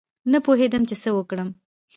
نه پوهېدم چې څه وکړم.